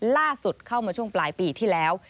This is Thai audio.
ล่าสุดเข้ามาช่วงปลายปีที่แล้ว